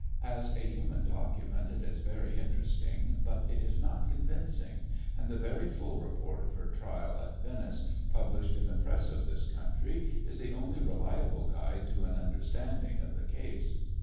As a human document it is very interesting but it is not convincing, and the very full report of her trial at Venice published in the press of this country is the only reliable guide to an understanding of the case.